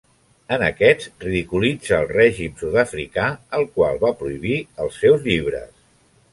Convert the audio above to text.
En aquests ridiculitza el règim sud-africà, el qual va prohibir els seus llibres.